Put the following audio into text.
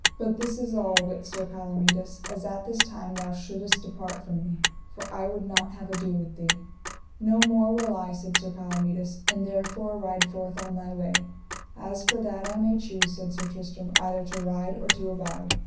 But this is all: wit Sir Palomides, as at this time thou shouldest depart from me, for I would not have ado with thee. No more will I, said Palomides, and therefore ride forth on thy way. As for that I may choose, said Sir Tristram, either to ride or to abide.